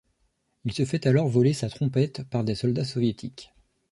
Il se fait alors voler sa trompette par des soldats soviétiques.